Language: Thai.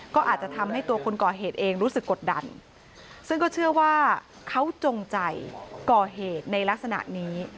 ก็อาจจะทำให้ตัวคนก่อเหตุเองรู้สึกกดดันซึ่งก็เชื่อว่าเขาจงใจก่อเหตุในลักษณะนี้